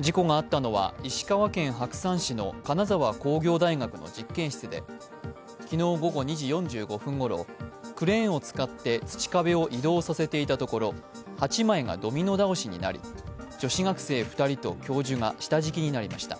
事故があったのは石川県白山市の金沢工業大学の実験室で昨日午後２時４５分ごろ、クレーンを使って土壁を移動させていたところ８枚がドミノ倒しになり女子学生２人と教授が下敷きになりました。